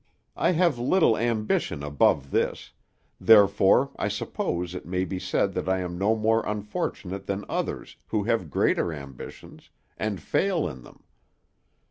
I have little ambition above this; therefore I suppose it may be said that I am no more unfortunate than others who have greater ambitions, and fail in them.